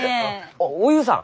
あっおゆうさん！